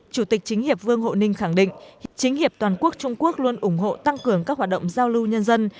chủ tịch chính hiệp vương hộ ninh khẳng định chính hiệp toàn quốc trung quốc luôn ủng hộ tăng cường các hoạt động giao lưu nhân dân